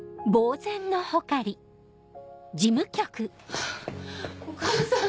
ハァお母さん！